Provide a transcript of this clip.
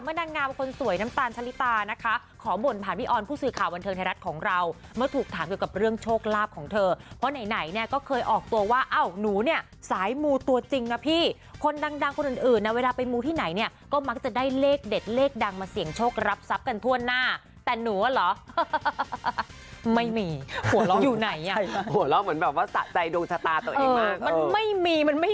มาดังงานว่าคนสวยน้ำตาลชะลิตานะคะขอบ่นผ่านพี่ออนผู้สื่อข่าววันเทิงไทยรัฐของเราเมื่อถูกถามเกี่ยวกับเรื่องโชคลาภของเธอเพราะไหนเนี่ยก็เคยออกตัวว่าเอ้าหนูเนี่ยสายมูตัวจริงนะพี่คนดังคนอื่นนะเวลาไปมูที่ไหนเนี่ยก็มักจะได้เลขเด็ดเลขดังมาเสี่ยงโชครับทรัพย์กันทั่วหน้าแต่หนูอะเหรอไม